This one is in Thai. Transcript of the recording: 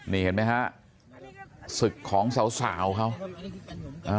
นี่เห็นไหมฮะศึกของสาวสาวเขาอ่า